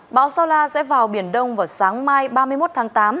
bão saula sẽ vào biển đông vào sáng mai ba mươi một tháng tám